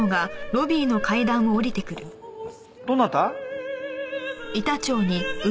どなた？